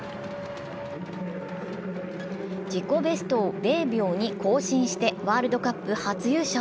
自己ベストわ０秒２更新してワールドカップ初優勝。